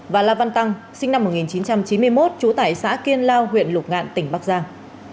và la văn tăng sinh năm một nghìn chín trăm chín mươi một trú tại xã kiên lao huyện lục ngạn tỉnh bắc giang